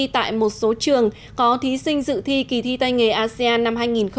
tại một số trường có thí sinh dự thi kỳ thi tay nghề asean năm hai nghìn hai mươi